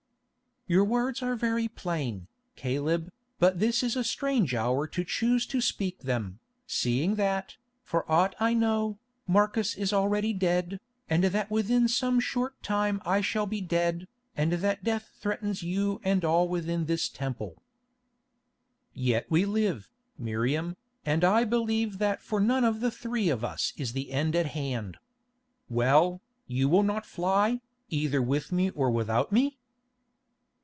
"Your words are very plain, Caleb, but this is a strange hour to choose to speak them, seeing that, for aught I know, Marcus is already dead, and that within some short time I shall be dead, and that death threatens you and all within this Temple." "Yet we live, Miriam, and I believe that for none of the three of us is the end at hand. Well, you will not fly, either with me or without me?"